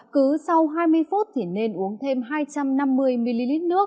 cứ sau hai mươi phút thì nên uống thêm hai trăm năm mươi ml nước